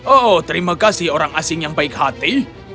oh terima kasih orang asing yang baik hati